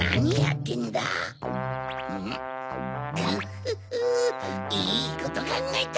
グフフいいことかんがえた！